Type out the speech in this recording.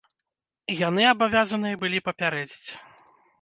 Яны абавязаныя былі папярэдзіць.